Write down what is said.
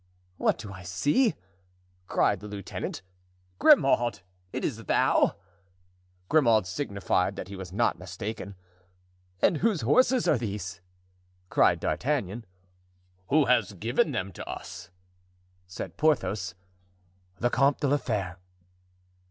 "What do I see?" cried the lieutenant. "Grimaud, is it thou?" Grimaud signified that he was not mistaken. "And whose horses are these?" cried D'Artagnan. "Who has given them to us?" said Porthos. "The Comte de la Fere."